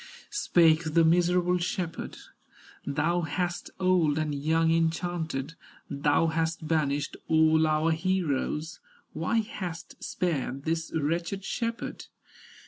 Spake the miserable shepherd: "Thou hast old and young enchanted, Thou hast banished all our heroes, Why hast spared this wretched shepherd?"